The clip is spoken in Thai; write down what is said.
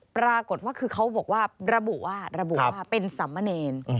ปรากฏว่าคือเขาบอกว่าระบุวาดเป็นสำมะเนร์